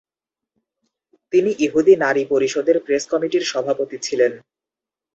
তিনি ইহুদি নারী পরিষদের প্রেস কমিটির সভাপতি ছিলেন।